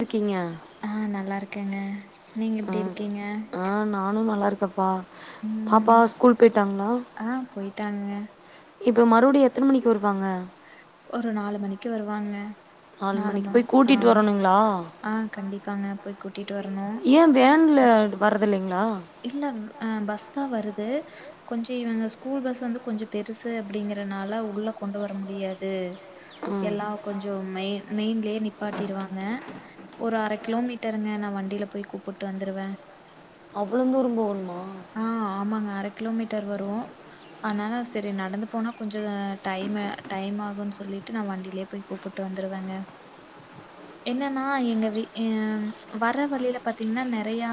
ருக்கீங்க ஆ நல்லாருக்கேங்க நீங்க எப்டி இருக்கீங்க ஆ நானு நல்லாருக்கப்பா பாப்பா ஸ்கூல் போய்ட்டாங்களா இப்ப மறுபடியு எத்தன மணிக்கு வருவாங்க ஒரு நாலு மணிக்கு வருவாங்க நாலு மணிக்கு போய் கூட்டிட்டு வரணுங்ளா ஆ கண்டிப்பாங்க போய் கூட்டிட் வரணு பேன் லர்டு வரதில்லைங்ளா இல்ல அ பஸ்தா வருது கொஞ்சோ இவங்க ஸ்கூல் பஸ் வந்து கொஞ்சோ பெருசு அப்டிங்கறனால உள்ள கொண்டு வர முடியாது எல்லா கொஞ்சோ மெய்ன் மெயின்லயே நிப்பாட்டிருவாங்க ஒரு அரகிலோ மீட்டருங்க நா வண்டில போய் கூப்புட்டு வந்துருவ அவ்ளந்தூர போணுமா ஆ ஆமாங்க அர கிலோமீட்டர் வரு ஆனாலு சரி நடந்து போனா கொஞ்சோ டைம் டைம் ஆகுன்னு சொல்லிட்டு நா வண்டிலயே போய் கூப்புட் ட்டு வந்ருவங்க என்னனா எங்க வீட் அ வர வழில பாத்தீங்கனா நெறயா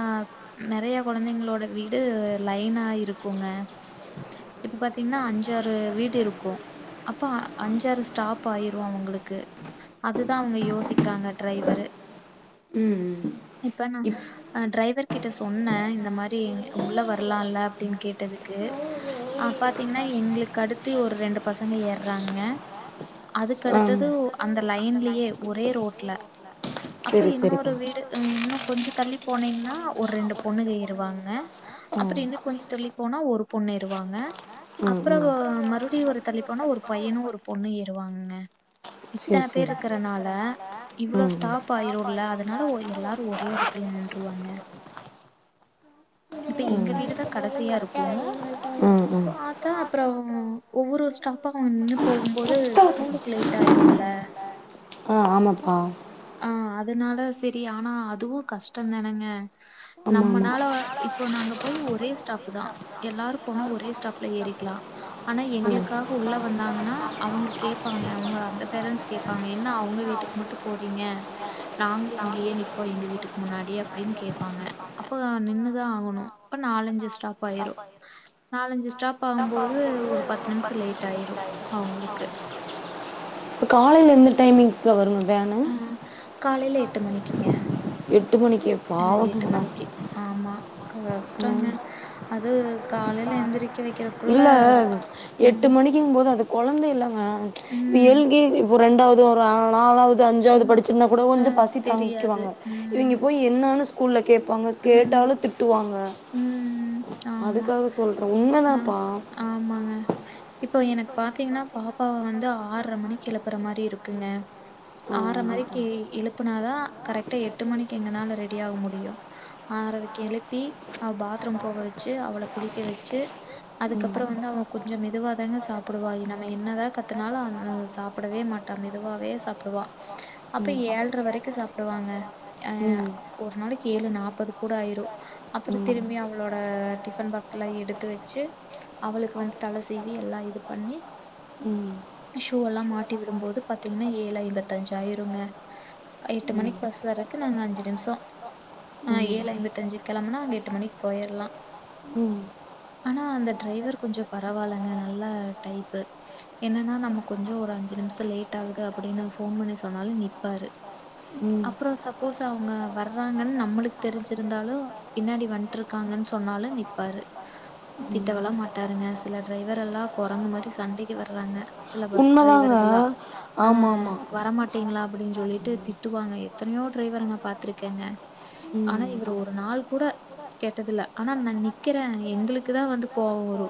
நெறய கொழந்தைங்களோட வீடு லைனா இருக்குங்க இப்ப பாத்தீங்கனா அஞ்சாறு வீடு இருக்கு அப்ப அஞ்சாறு ஸ்டாப் ஆயிரு அவுங்களுக்கு அதுதா அவங்க யோசிக்கிறாங்க டிரைவரு ம் ம் இப்ப நா டிரைவர் கிட்ட சொன்ன இந்த மாரி உள்ள வரலால்ல அப்டின் கேட்டதுக்கு அ பாத்தீங்கனா எங்களுக்கு அடுத்து ஒரு ரெண்டு பசங்க ஏர்றானுங்க அதுக்கடுத்தது அந்த லைன்லயே ஒரே ரோட்ல அப்ப இன்னொரு வீடு ம் இன்னு கொஞ்சோ தள்ளி போனீங்னா ஒரு ரெண்டு பொண்ணுக ஏறுவாங்க அப்பற இன்ன கொஞ்சோ தள்ளி போனா ஒரு பொண்ணு ஏறுவாங்க அப்பற ஒ மறுபடியு ஒரு தள்ளி போனா ஒரு பையனு ஒரு பொண்ணு ஏறுவாங்கங்க இத்தன பேர் இருக்குறனால இவ்ளோ ஸ்டாப் ஆயிருல்ல அதனால ஒ எல்லாரு ஒரே எடத்துல நின்றுவாங்க இப்ப எங்க வீடுதா கடசியா இருக்கு பாத்தா அப்பறம் ஒவ்வொரு ஸ்டாப்பா அவ்ங்க நின்னு போகும்போது ஸ்கூலுக்கு லேட் டாயிருல ஆ ஆமப்பா ஆ அதனால சரி ஆனா அதுவு கஷ்டந்தானங்க நம்மனால இப்போ நாங்க போய் ஒரே ஸ்டாப்தா எல்லாரு போனா ஒரே ஸ்டாப்ல ஏறிக்லா ஆனா எங்களுக்காக உள்ள வந்தாங்கன்னா அவுங்க கேப்பாங்க அவுங்க அந்த பேரன்ட்ஸ் கேப் பாங்க என்ன அவுங்க வீட்டுக் மட்டு போறீங்க நாங்களு இங்கேயே நிப்போ எங்க வீட்டுக்கு முன்னாடி அப்டின்னு கேப்பாங்க அப்ப நின்னு தா ஆகணு ப்ப நாலஞ்சு ஸ்டாப் ஆயிரு நாலஞ்சு ஸ்டாப் ஆகும்போது ஒரு பத்து நிமிஷொ லேட் ஆயிரு அவங்களுக்கு காலைல எந்த டைமிங்க்கு வருங்க வேனு ம் காலைல எட்டு மணிக்குங்க அ எட்டு மணிக்கி ஆமா கஷ்டங்க அது காலைல எந்திரிக்க வைக்கற இல்ல எட்டு மணி கிங் போது அது கொழந்த இல்லங்க இ எல் கே ஜி இப்போ ரெண்டாவுது ஒரு நா நாலாவ் து அஞ்சாவ்து படிச்சிருந்தா கூட கொஞ்சொ பசி தாங்கிக்குவாங்க இவிங்க போய் என்னானு கூல்ல கேப்பாங்க கேட்டாலு திட்டுவாங்க அதுக்காக சொல்ற உண்மதா ஆமாங்க இப்போ எனக் பாத்தீங்கன்னா பாப்பாவ வந்து ஆற்ர மணிக்கு எழுப்புற மாரி இருக்குங்க ஆற மரிக்கு எழுப்புனாதா கரெக்டா எட்டு மணிக்கு எங்கனால ரெடி ஆக முடியு ஆறரைக்கு எழுப்பி அவ பாத்ரூம் போக வெச்சு அவள குளிக்க வெச்சு அதுக்கப்பறோ வந்து அவ கொஞ்சொ மெதுவாதாங்க சாப்புடுவா நம்ம என்னதா கத்துனாலு அ ம சாப்டவே மாட் டா மெதுவாவே சாப்டுவா அப்ப ஏழ்ர வரைக்கு சாப்டுவாங்க அ அப் ஒரு நாளைக்கு ஏழு நாப்பது கூட ஆயிரு அப்பறோ திரும்பி அவளோட டிஃபன் பாக்ஸ்லா எடுத்து வெச்சு அவளுக் வந்து தல சீவி எல்லா இது பண்ணி ம் ஷூவல்லா மாட்டி விடும்போது பாத்தீங்கன்னா ஏழு ஐம்பத்தஞ்சாயிருங்க அ எட்டு மணிக்கு பஸ் வர்றக்கு நாங்க அஞ்சு நிம்ஷொ ஆ ஏழு ஐம்பத்தஞ்சுக் கெளம்புனா அங்க எட்டு மணிக்கு போயர்லா ம் ஆனா அந்த டிரைவர் கொஞ்சோ பரவால்லங்க நல்ல டைப்பு என்னன்னா நம்ம கொஞ்சோ ஒரு அஞ்சு நிமிஷோ லேட் ஆகுது அப்டின்னு ஃபோன் பண்ணி சொன்னாலு நிப்பாரு அப்றோ சப்போஸ் அவங்க வர்றாங்கன்னு நம் ம்மளுக்கு தெரிஞ்சிருந்தாலு பின்னாடி வந்ட்டுருக்காங்கன்னு சொன்னாலு நிப்பாரு திட்டவெல்லா மாட்டாருங்க சில டிரைவர் எல்லா கொரங்கு மாரி சண்டைக்கு வர்ராங்க சில பஸ் டிரைவர்களா அ வரமாட் டீங்களா அப்டின் சொல்லிட்டு திட்டுவாங்க எத்தனையோ டிரைவர நா பாத்துருக்கேங்க ஆனா இவர் ஒரு நாள் கூட கேட்டதில்ல ஆனா நா நிக்கிறே எங்களுக்குதா வந்து கோவோ வரு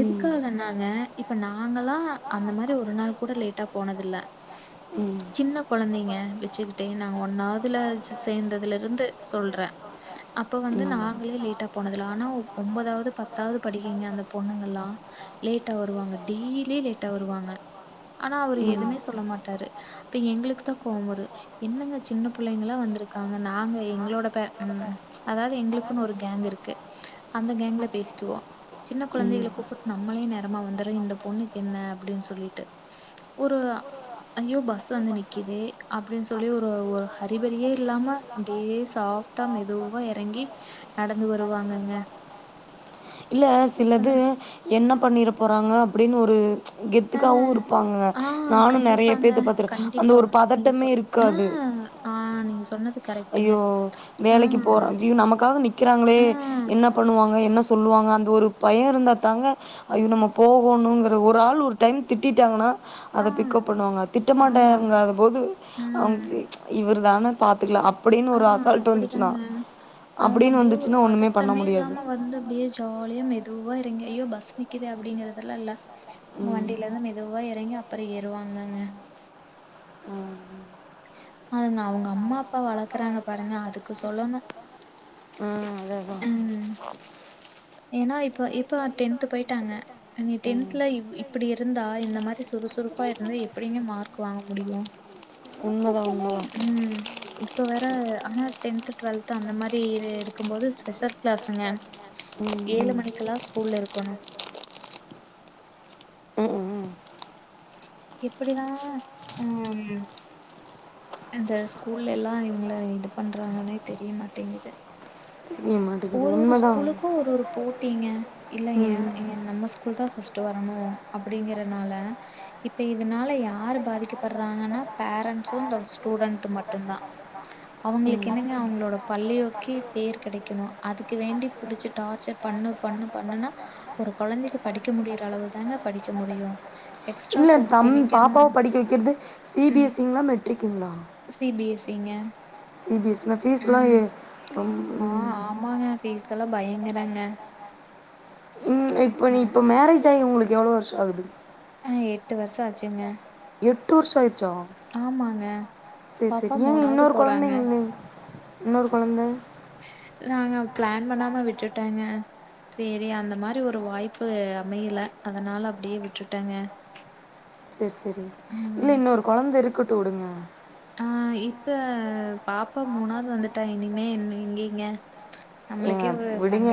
எதுக்காகனாங்க இப்ப நாங்களா அந்த மாரி ஒரு நாள் கூட லேட்டா போனதில்ல சின்ன கொழந்தைங்க வச்சுக்கிட்டே நா ஒன்னாவ்துல சேந்ததுல இருந்து சொல்ற அப்ப வந்து நாங்களே லேட்டா போனதில்ல ஆனா ஒம்பதாவது பத்தாவது படிக்கிங்க அந்த பொண்ணுங்கல்லா லேட்டா வருவாங்க டெய்லி லேட்டா வருவாங்க ஆனா அவரு எதுமே சொல்ல மாட்டாரு அப்ப எங்களுக்கு தா கோவோ வரு என்னங்க சின்ன புள்ளைங்களா வந்து இருக்காங்க நாங்க எங்களோட பே ம் அதாவது எங்களுக்குன் ஒரு கேங் இருக்கு அந்த கேங்ல பேசிக்குவோ சின்ன கொழந்தைகள கூப்புட் நம்மளே நேரமா வந்துற இந்த பொண்ணுக்கு என்ன அப்டின் சொல்லிட்டு ஒரு ஐயோ பஸ் வந்து நிக்கிதே அப்டின் சொல்லி ஒரு ஒரு ஹரிபரியே தில்லாம அப்டியே சாஃப்டா மெதுவா எறங்கி நடந்து வருவாங்கங்க இல்ல சில இது என்ன பண்ணிற போறாங்க அப்டின் ஒரு கெத்துக்காவு இருப்பாங்க நானு நெறைய பேத்த பாத்துருக் அந்த ஒரு பதட்டமே இருக்காது ஆ நீங்க சொன்னது ஐயோ வேலைக்கு போற ஜீவன் நமக்காக நிக்கிறாங்களே என்ன பண்ணுவாங்க என்ன சொல்லுவாங்க அந்த ஒரு பயோ இருந்தா தாங்க அய்யோ நம்ம போகோனுங் ஒரு ஆள் ஒரு டைம் திட்டிட்டாங்கனா அத பிக்கப் பண்ணுவாங்க திட்ட மாட்டாங்காத போது அம்சி இவரு தான பாத்துக்கலா அப் ஆ அப்டிதாங்க அவுங்க அப்டியே ஒரு பதட்டமே இல்லாம வந்து அப்டியே ஜாலியா மெதுவா எறங்கி ஐயோ பஸ் நிக்கிதே அப்டிங்கறதெல்லா இல்ல உங்க வண்டில இருந்து மெதுவா எறங்கி அப்ற ஏறுவாங்கங்க ம் ம் அதுங்க அவுங்க அம்மா அப்பா வளக்கறாங்க பாருங்க அதுக்கு சொல்லனு ம் அதா அதா ம் ஏனா இப்ப இப்ப டென்த் போயிட்டாங்க நீ டென்த்ல இப் இப்டி இருந்தா இந்த மாரி சுறுசுறுப்பா இருந்தா எப்டிங்க மார்க் வாங்க முடியு உண்ம தா உண்ம தா இப்ப வேற ஆனா டென்த்து டுவெல்த்து அந்த மாரி இரு இருக்கு போது ஸ்பெஷல் கிளாஸுங்க ஏழு மணிக்கெல்லா ஸ்கூல்ல இருக்கணு எப்டிதா ம் ம் இந்த ஸ்கூல்ல எல்லா இவுங்கள இது பண்றாங்கனே தெரிய மாட்டேங்கிது ஏமா ஒரு ஒரு ஸ்கூலுக்கு ஒரு ஒரு போட்டிங்க இல்ல ஏ நம்ம ஸ்கூல் தா ஃபஸ்ட் வரணு அப்டிங்கறனால இப்ப இதனால யாரு பாதிக்கப் பற்றாங்கனா பேரண்ட்ஸு இந்த ஸ்டூடண்ட்டு மட்டுந்தா அவுங்களுக்கு என்னங்க அவுங்ளோட பள்ளியோக்கி பேர் கெடைக்கணு அதுக்கு வேண்டி புடுச்சு டார்ச்சர் பண்ணு பண்ணு பண்ணுனா ஒரு கொழந்தைக்கு படிக்க முடியிற அளவு தாங்க படிக்க முடியு இல்ல தம் பாப்பாவ படிக்க வக்கிறது சி பி எஸ் சி ங்ளா மெட்ரிக்குங்ளா சி பி எஸ் சி ங்க சி பி எஸ் னா ஃபீஸ்லா ஏ ஆ ஆமாங்க ஃபீஸ் எல்லா பயங்கறங்க ம் இப்ப நீ இப்ப மேரேஜ் ஆயி உங்களுக்கு எவ்ளோ வருஷோ ஆகுது ஆ எட்டு வருஷ ஆச்சுங்க எட்டு வருஷோ ஆயிர்ச்சா செரி செரி ஏங்க இன்னோரு கொழந்தைங்க இல்ல இன்னோரு கொழந்த நாங்க பிளான் பண்ணாம விட்டுட்டங்க சேரி அந்த மாரி ஒரு வாய்ப்பு அமையல அதனால அப்டியே விட்டுட்டங்க செர் செரி இல்ல இன்னொரு கொழந்த இருக்கட்டு உடுங்க ஆ இப்ப பாப்பா மூணாவது வந்துட்டா இனிமே என் எங்கிங்க விடுங்க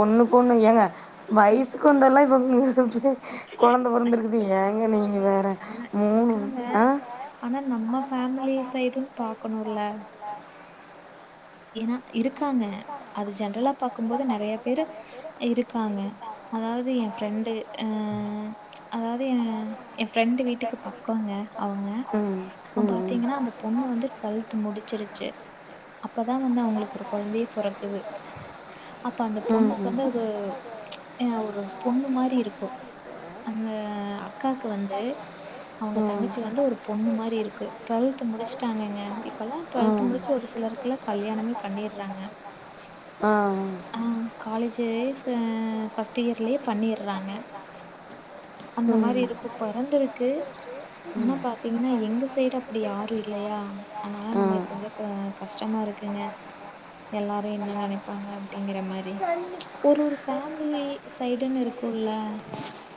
ஒண்ணுக்கு ஒண்ணு ஏங்க வயசுக்கு வந்தல்லா இப்ப‌ [unintelligible] கொழந்த பொறந்துருக்குது ஏங்க நீங்க வேற மூணு ஆ ஆனா நம்ம ஃபேமிலி சைடு பாக்கணுல்ல ஏனா இருக்காங்க அது ஜென்ரலா பாக்கும்போது நெறைய பேரு இருக்காங்க அதாவது என் ஃப்ரெண்டு அ அதாவது என் என் ஃப்ரெண்டு வீட்டுக்கு பக்கோங்க அவுங்க அவ பாத்தீங்கன்னா அந்த பொண்ணு வந்து டுவெல்த் முடிச்சிருச்சி அப்பதா வந்து அவங்களுக்கு ஒரு கொழந்தையே பொறக்குது அப்ப அந்த பொண்ணுக்கு வந்து அது ஏ ஒரு பொண்ணு மாரி இருக்கு அந்த அக்காக்கு வந்து அவுங்க தங்கச்சி வந்து ஒரு பொண்ணு மாரி இருக்கு டுவெல்த் முடிச்சுட்டாங்கங்க இப்பல்லா டுவெல்த் முடிச்சு ஒரு சிலருக் கல்லா கல்யாணமே பண்ணிற்றாங்க ஆ அ ஆ காலேஜு வெசு ஆ ஃபர்ஸ்ட் இயர்லயே பண்ணிற்றாங்க அந்த மாரி இருக்கு பொறந்துருக்கு ஆனா பாத்தீங்கன்னா எங்க சைடு அப்டி யாரு இல்லையா அதனால நம்மளுக்கு கொஞ்ச க கஷ்டமா இருக்குங்க எல்லாரு என்ன நெனைப்பாங்க அப்டிங்கிற மாரி ஒரு ஒரு ஃபேமிலி சைடுன்னு இருக்குல்ல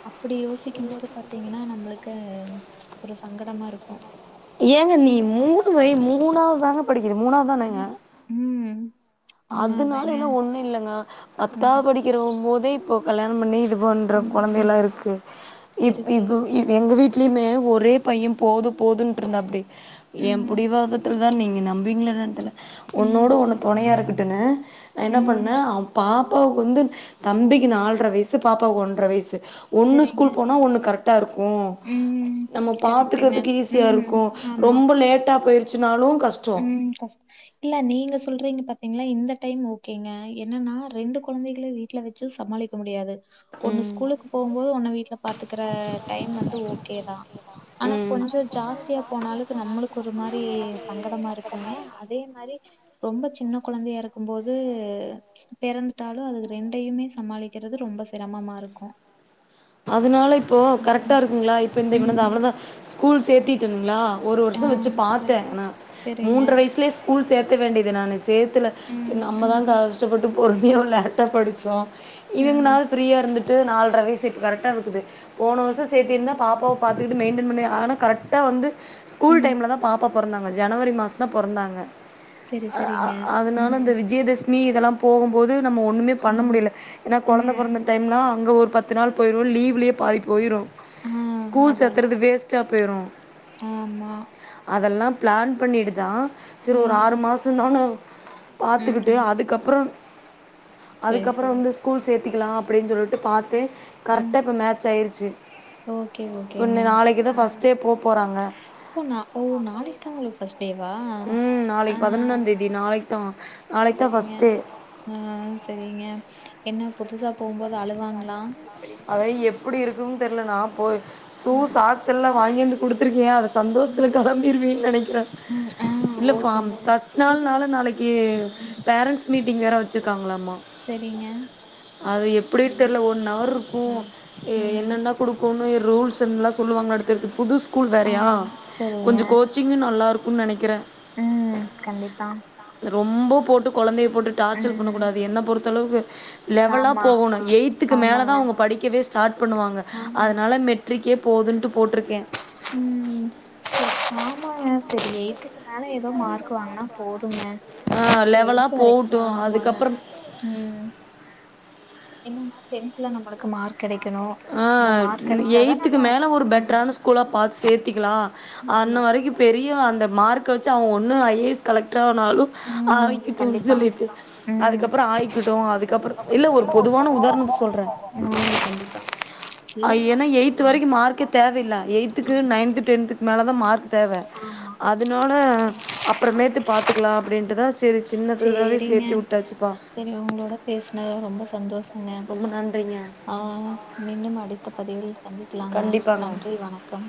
அப்டி யோசிக்கும் போது பாத்தீங்கன்னா நம்ளுக்கு ஒரு சங்கடமா இருக்கு ஏங்க நீ மூணு வை மூணாவதுதாங்க படிக்குது மூணாவத் தானேங்க ம் அதுனால எல்லா ஒண்ணு இல்லங்க பத்தாவ படிக்கிற போதே இப்போ கல்யாணம் பண்ணி இது பன்ற கொழந்தையல்ளா இருக்கு இப் இப்பு இ எங்க வீட்லியுமே ஒரே பைய போது போதுன் இருந்தாப்புடி என் புடிவாதத் துல்தா நீங்க நம்புவீங்களா என்னனு தெர்ல ஒன்னோட ஒன்னு தொணையா இருக்கட்டுனு நா என்ன பண்ணே அ பாப்பாவுக்கு வந்து தம்பிக்கு நால்ர வய்சு பாப்பாவுக்கு ஒன்ற வய்சு ஒன்னு ஸ்கூலுக்கு போனா ஒன்னு கரெக் ட்டா இருக்கு நம்ம பாத்துக்கிறதுக்கு ஈஸியா இருக்கு ரொம்ப லேட்டா போயிரு ச்சினாலு கஷ் ம் கஷ் இல்ல நீங்க சொல்றீங்க பாத்தீங்ளா இந்த டைம் ஓகேங்க என்னன்னா ரெண்டு கொழந்தைகள வீட் வீட்ல வெச்சு சமாளிக்க முடியாது ஒண்ணு ஸ்கூலுக்கு போம்போது ஒன்னு வீட்ல பாத்துக்குற டைம் வந்து ஓ கேதா ஆனா கொஞ்ச ஜாஸ்தியா போனாலுக்கு நம்முளுக்கு ஒரு மாரி சங்கடமா இருக்குங்க அதே மாரி ரொம்ப சின்ன கொழந்தையா இருக்கும் போது பெறந்துட்டாலு அதுக ரெண்டையுமே சமாளி க்கிறது ரொம்ப சிரமமா இருக்கு அதனால இப்போ கரெக்டா இருக்குங்களா இப்போ இந்த இவனது அவளதா ஸ்கூல் சேத்திட்டனுங்ளா ஒரு வருஷோ வெச்சு பாத்தே ஆனா மூன்ற வயசுலயே ஸ்கூல் சேத்த வேண்டியது நானு சேத் த்துல சேர் நம்ம தா கஷ்டப்பட்டு பொறுமயா ஒரு லேட்டா படிச்சோ இவிங்கனாவ் ஃப்ரீயாருந்துட்டு நால்ர வய்சு இப்ப கரெ ட்டாருக்குது போன வர்ஷோ சேத்திருந்தா பாப்பாவ பாத்துகிட்டு மெயின்டெய்ன் பண்ணுவே ஆனா கரெக்டா வந்து ஸ்கூல் டைம்ல தா பாப்பா பொறந்தாங்க ஜனவரி மாசந்தா பொறந்தாங்க அ அ அதுனால இந்த விஜயதசமி மி இதெல்லா போகும்போது நம்ம ஒன்னுமே பண்ண முடில ஏனா கொழந்த பொறந்த டைம்லா அங்க ஒர் பத்து நாள் போய்ரு லீவ்லே பாதி போய்ரு ஸ்கூல் சேத்துறது வேஸ்ட்டா போய்ரு ஆமா அதல்லா பிளான் பண்ணிட்டு தா செரி ஒரு ஆறு மாசந்தானே பாத்துக்கிட்டு அதுக்கப்றோ அதுக்கப்றோ வந்து ஸ் கூல் சேத்துக்கிலா அப்டின் சொல்ட்டு பாத்தே கரெக்டா இப்ப மேட்ச்சாயிருச்சு ஓகே ஓகேங்க ம் ஓ நா ஓ நாளைக்கு தா உங்ளு ஃபஸ்ட் டேவா நாளைக் பதனொன்னா தேதி நாளைக் தா செரிங்க ஆ செரிங்க என்ன புதுசா போம்போது அழுவாங்ளா எப்டி எப்டி இருக்குன் தெர்ல நா போய் ஷு சாக்ஸெல்லா வாங்கியாந்து குடுத்திருக்கே அத சந்தோஷ்த்ல கெளம்பிருவீன் நெனக்கிறே இல்லப்பா ஃபர்ஸ்ட் நாள்னால நாளக்கி பேரன்ட்ஸ் மீட்டிங் வேற வச்சிருக்காங்களாமா செரிங்க அது எப்டின் தெர்ல ஒன்னவர்ருக்கு என்னென்ன குடுக்கோனு ர் ரூல்ஸுன்லா சொல்வாங்களாட்டு தெர்து புது ஸ்கூல் வேறயா கொஞ்ச கோ ச்சிங்கு நல்லாருக்குன் நெனைக்கிறே ஆ கண்டிப்பா ரொம்போ போட்டு கொழந்தைய போட்டு டார்ச்சல் பண்ண கூடாது என்ன பொறுத்தளவு லெவலா போவனு எயித்துக்கு மேல தா அவுங்க படிக்கவே ஸ்டார்ட் பண்ணுவாங்க அதனால மெ ட்ரிக்கே போதுன்ட்டு போட்ருக்கே ம் ஆமாங்க செரி எயித்து க்கு மேல எதோ மார்க் வாங்குனா போதுங்க இப்ப எய்த்து வரைக்கு ஆமாங்க ம் என்னன்னா டென்த்துல நம்மளுக்கு மார்க் கெடைக்கனு ஆ எயித்துக்கு மேல ஒரு பெட்ரான ஸ்கூலா பாத்து சேத்திக்லா அன்ன வரைக்கு பெரியவே அந்த மார்க்க வச்சு அவே ஒன்னு ஐ ஏ எஸ் கலெக்ட்ரானாலு ஆய்க்கட்டுன் சொல்லிட்டு அதுகப்றோ ஆய்க்கட்டு அதுகப்றோ இல்ல ஒரு பொதுவான உதாரணத்து சொல்றே ஆ கண்டிப்பா ஆ ஏனா எயித்து வரைக்கு மார்க்கே தேவயில்ல எய்த்துக்கு நைன்த்து டென்த்துக் மேலதா மார்க் தேவ அதனால அப்றமேட்டு பா த்துக்லா அப்டின்ட்டு தா செரி சின்னதுதாவே சேத்து வுட்டாச்சுப்பா செரி உங்ளோட பேசுனத ரொம்ப சந்தோஷ் ரொம்ப நன்றிங்க ஆ மீண்டும் அடுத்த பதிவில் சந்திக்லாங்க நன்றி வணக்கம்